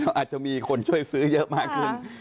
อาจจะมีคนช่วยซื้อเยอะมากขึ้น